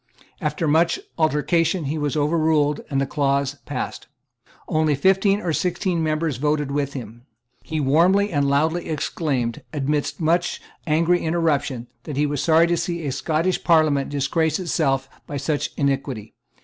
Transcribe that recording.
After much altercation, he was overruled, and the clause passed. Only fifteen or sixteen members voted with him. He warmly and loudly exclaimed, amidst much angry interruption, that he was sorry to see a Scottish Parliament disgrace itself by such iniquity.